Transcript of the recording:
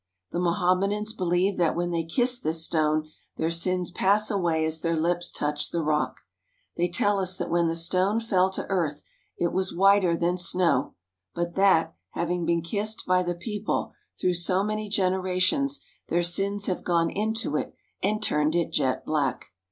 The Mohammedans believe that when they kiss this stone, their sins pass away as their lips touch the rock. They tell us that when the stone fell to earth it was whiter than snow, but that, having been kissed by the people through so many generations, their sins have gone into it and turned it jet black.